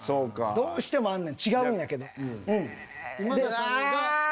どうしてもあんねん違うんやけど。